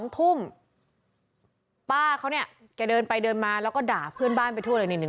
๒ทุ่มป้าเขาเนี่ยแกเดินไปเดินมาแล้วก็ด่าเพื่อนบ้านไปทั่วเลย